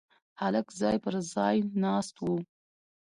هلک ځای پر ځای ناست و.